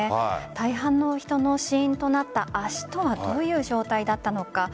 大半の人の死因となった圧死とはどういう状態だったのか。